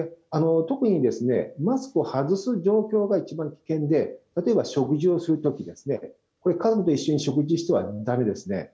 特にですね、マスクを外す状況が一番危険で、例えば食事をするときですね、これ、家族一緒に食事してはだめですね。